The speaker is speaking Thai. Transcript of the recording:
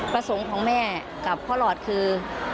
ประสงค์ของแม่กับพ่อหลอดคือ